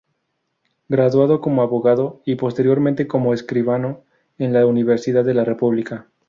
Graduado como abogado y posteriormente como escribano en la Universidad de la República.